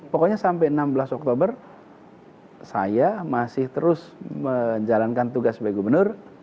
pokoknya sampai enam belas oktober saya masih terus menjalankan tugas sebagai gubernur